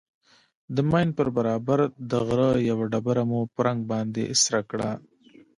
د ماين پر برابر د غره يوه ډبره مو په رنگ باندې سره کړه.